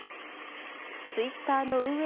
ツイッターの運営